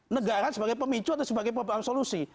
negara sebagai pemicu atau sebagai solusi